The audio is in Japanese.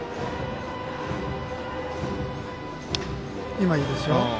今、いいですよ。